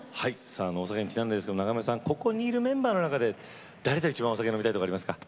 お酒にちなんでですけど長山さん、ここにいるメンバーの中で誰と一番、お酒、飲みたいとかありますか？